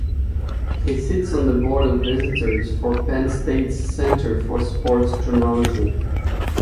He sits on the Board of Visitors for Penn State's Center for Sports Journalism.